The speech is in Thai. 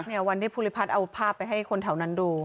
เนี่ยวันที่ภูริพัฒน์เอาภาพไปให้คนแถวนั้นดู